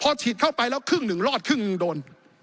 พอฉีดเข้าไปแล้วครึ่งหนึ่งรอดครึ่งหนึ่งโดน